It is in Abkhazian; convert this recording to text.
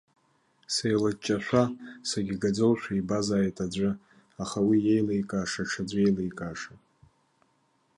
Сеилыҷҷашәа, сагьгаӡоушәа ибазааит аӡәы, аха уи иеиликааша, ҽаӡә иеиликааша.